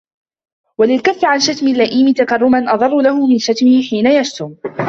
وَلَلْكَفُّ عَنْ شَتْمِ اللَّئِيمِ تَكَرُّمًا أَضَرُّ لَهُ مِنْ شَتْمِهِ حِينَ يَشْتُمُ